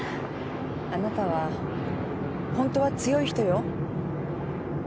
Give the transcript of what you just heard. あなたはホントは強い人よ。